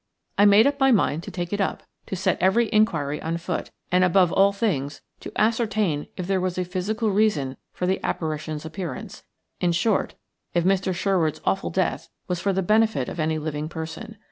I made up my mind to take it up, to set every inquiry on foot, and, above all things, to ascertain if there was a physical reason for the apparition's appearance; in short, if Mr. Sherwood's awful death was for the benefit of any living person.